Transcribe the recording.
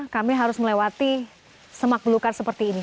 kami harus melewati semak belukar seperti ini